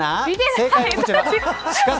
正解はこちら。